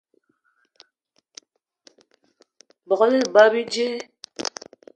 Begela ebag bíjé